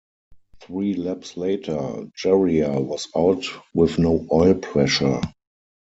Three laps later, Jarier was out with no oil pressure.